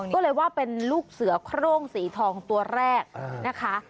ก็เลยว่าเป็นลูกเสือโครงสีทองตัวแรกนะคะ